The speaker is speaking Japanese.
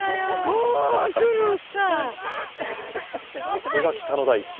さすが北の大地。